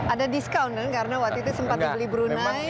ada discount dong karena waktu itu sempat dibeli brunei tapi ternyata tidak jadi